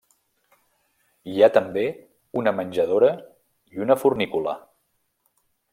Hi ha també una menjadora i una fornícula.